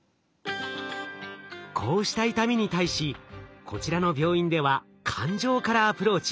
こうした痛みに対しこちらの病院では感情からアプローチ。